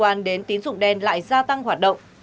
và tiến dụng đen lại gia tăng hoạt động